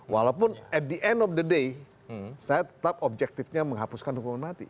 walaupun at the end of the day saya tetap objektifnya menghapuskan hukuman mati